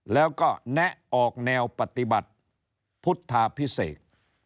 แล้วก็แนะออกแนวปฏิบัติพุทธาพิเศษ